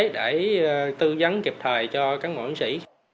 để tư dấn kịp thời cho cán bộ chiến sĩ